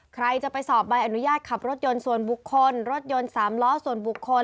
ใครจะไปสอบใบอนุญาตขับรถยนต์ส่วนบุคคลรถยนต์สามล้อส่วนบุคคล